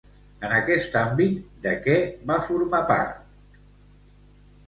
En aquest àmbit, de què va formar part?